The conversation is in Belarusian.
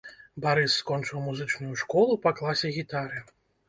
Барыс скончыў музычную школу па класе гітары.